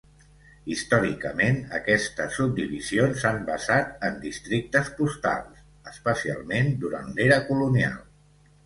Històricament, aquestes subdivisions s'han basat en districtes postals, especialment durant l'era colonial.